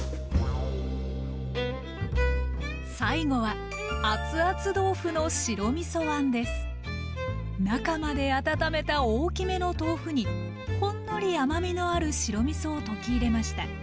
最後は中まで温めた大きめの豆腐にほんのり甘みのある白みそを溶き入れました。